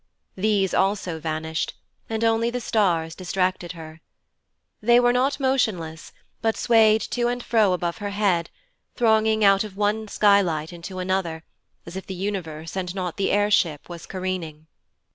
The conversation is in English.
These also vanished, and only the stars distracted her. They were not motionless, but swayed to and fro above her head, thronging out of one sky light into another, as if the universe and not the air ship was careening.